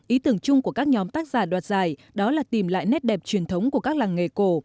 ý tưởng chung của các nhóm tác giả đoạt giải đó là tìm lại nét đẹp truyền thống của các làng nghề cổ